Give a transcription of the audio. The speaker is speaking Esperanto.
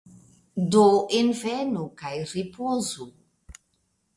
Do envenu, kaj ripozu